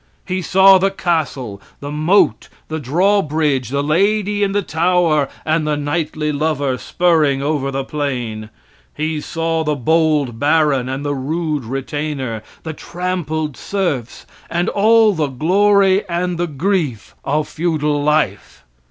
He saw the castle, the moat, the drawbridge, the lady in the tower, and the knightly lover spurring over the plain. He saw the bold baron and the rude retainer, the trampled serfs, and all the glory and the grief of feudal life.